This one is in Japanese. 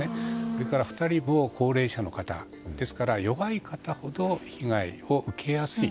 それから２人も高齢者の方。ですから、弱い方ほど被害を受けやすい。